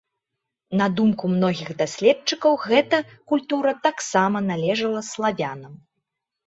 На думку многіх даследчыкаў, гэта культура таксама належала славянам.